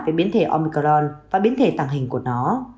về biến thể omicron và biến thể tàng hình của nó